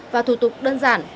và thủ tục đơn giản